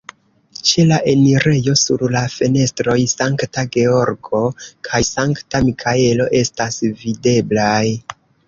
Ĉe la enirejo sur la fenestroj Sankta Georgo kaj Sankta Mikaelo estas videblaj.